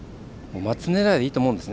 松狙いでいいと思うんですよ。